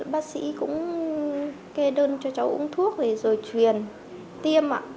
bác sĩ cũng kê đơn cho cháu uống thuốc này rồi truyền tiêm